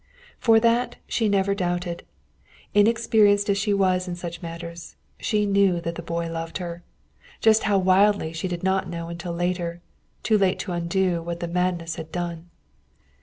For that she never doubted. Inexperienced as she was in such matters, she knew that the boy loved her. Just how wildly she did not know until later, too late to undo what the madness had done.